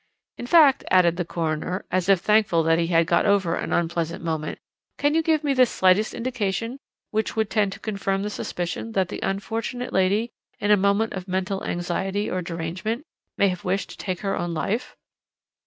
In fact,' added the coroner, as if thankful that he had got over an unpleasant moment, 'can you give me the slightest indication which would tend to confirm the suspicion that the unfortunate lady, in a moment of mental anxiety or derangement, may have wished to take her own life?'